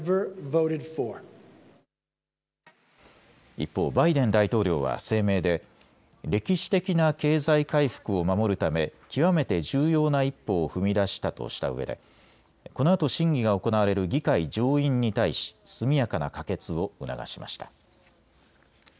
一方、バイデン大統領は声明で歴史的な経済回復を守るため極めて重要な一歩を踏み出したとしたうえでこのあと審議が行われる議会上院に対し速やかな可決を促しました。